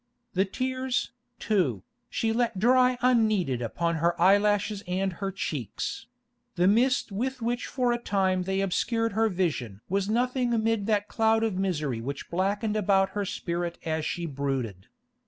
The tears, too, she let dry unneeded upon her eyelashes and her cheeks; the mist with which for a time they obscured her vision was nothing amid that cloud of misery which blackened about her spirit as she brooded.